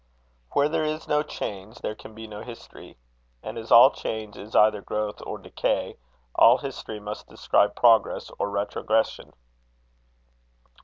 Where there is no change there can be no history; and as all change is either growth or decay, all history must describe progress or retrogression.